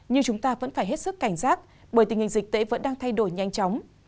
nhưng chúng ta vẫn phải hết sức cảnh giác bởi tình hình dịch tễ vẫn đang thay đổi nhanh chóng